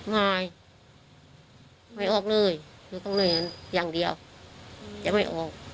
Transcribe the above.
ไม่ไม่ออกเลยหนูต้องเหนื่อยอย่างเดียวจะไม่ออก